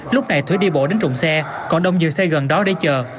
lúc này thủy đi bộ đến trộm xe còn đông dừng xe gần đó để chờ